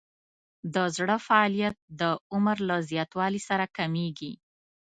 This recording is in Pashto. د زړه فعالیت د عمر له زیاتوالي سره کمیږي.